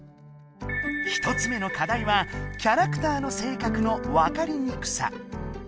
１つ目のかだいはキャラクターの性格のわかりにくさ。